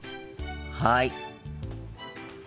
はい。